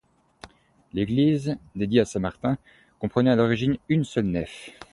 L’église, dédiée à saint Martin, comprenait à l'origine une seule nef.